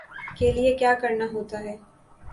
کے لیے کیا کرنا ہوتا ہے